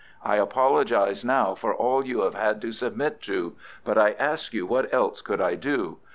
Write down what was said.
I apologize now for all you have had to submit to, but I ask you what else could I do?